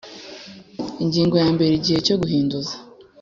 Ingingo ya mbere Igihe cyo guhinduza